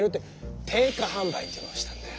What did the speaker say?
定価販売というのをしたんだよ。